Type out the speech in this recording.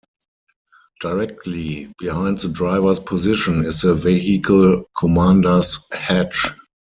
Directly behind the driver's position is the vehicle commander's hatch.